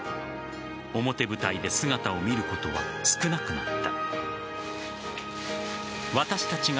表舞台で姿を見ることは少なくなった。